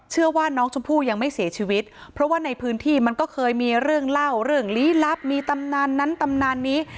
เชื่อว่าน้องชมพู่ยังไม่เสียชีวิตเพราะว่าในพื้นที่มันก็เคยมีเรื่องเล่าเรื่องลี้ลับมีตำนานนั้นตำนานนี้